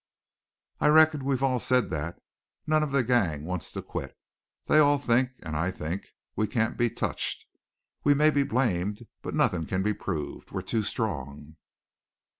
"I reckon we've all said that. None of the gang wants to quit. They all think, and I think, we can't be touched. We may be blamed, but nothing can be proved. We're too strong."